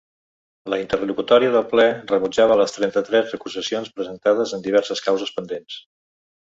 La interlocutòria del ple rebutjava les trenta-tres recusacions presentades en diverses causes pendents.